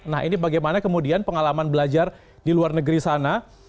nah ini bagaimana kemudian pengalaman belajar di luar negeri sana